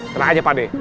tenang aja pak deh